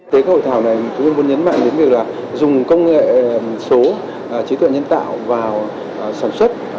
tới các hội thảo này tôi muốn nhấn mạnh đến việc là dùng công nghệ số trí tuệ nhân tạo vào sản xuất